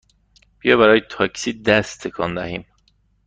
بیا برای تاکسی دست تکان دهیم!